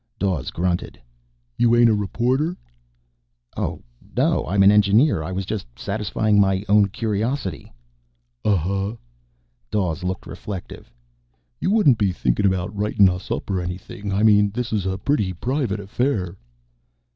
Dawes grunted. "You ain't a reporter?" "Oh, no. I'm an engineer. I was just satisfying my own curiosity." "Uh huh." Dawes looked reflective. "You wouldn't be thinkin' about writing us up or anything. I mean, this is a pretty private affair."